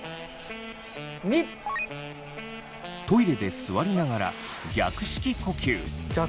トイレで座りながら逆式呼吸。